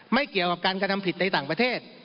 ไม่เกี่ยวกับการกระทำผิดในต่างประเทศ